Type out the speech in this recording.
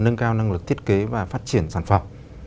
nâng cao năng lực thiết kế và phát triển sản phẩm